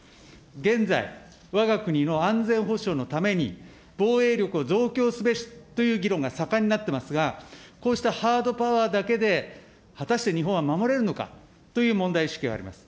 現在、わが国の安全保障のために、防衛力を増強すべしという議論が盛んになっていますが、こうしたハードパワーだけで果たして日本は守れるのかという問題意識があります。